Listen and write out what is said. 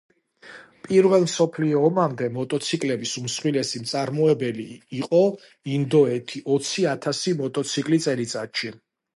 პირველ მსოფლიო ომამდე მოტოციკლების უმსხვილესი მწარმოებელი იყო ინდოეთი ოცი ათასი მოტოციკლი წელიწადში.